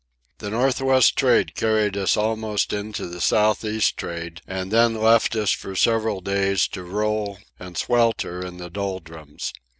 The north west trade carried us almost into the south east trade, and then left us for several days to roll and swelter in the doldrums.